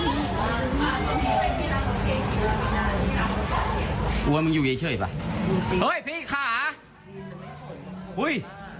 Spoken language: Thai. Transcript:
อุ้ยมึงอยู่เย็นเชื่ออีกป่ะเฮ้ยพีศาสตร์ค่ะอุ้ย